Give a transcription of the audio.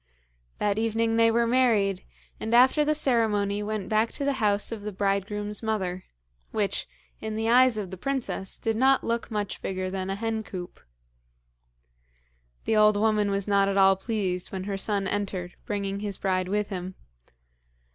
That evening they were married, and after the ceremony went back to the house of the bridegroom's mother, which, in the eyes of the princess, did not look much bigger than a hen coop. The old woman was not at all pleased when her son entered bringing his bride with him.